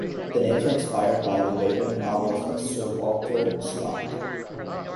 The names are inspired by the Waverley novels of Sir Walter Scott.